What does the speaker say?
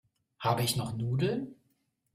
Habe ich noch Nudeln?